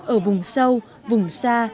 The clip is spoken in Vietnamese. ở vùng sâu vùng xa